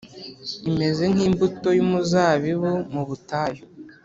imeze nk’imbuto y’umuzabibu mu butayu,